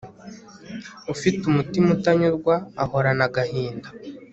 ufite umutima utanyurwa ahorana agahinda